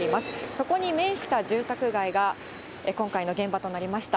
そこに面した住宅街が、今回の現場となりました。